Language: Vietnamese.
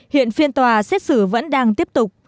hiện phiên tòa xét xử vẫn đang tiếp tục